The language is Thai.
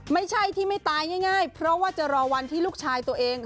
ไม่ใช่ที่ไม่ตายง่ายเพราะว่าจะรอวันที่ลูกชายตัวเอง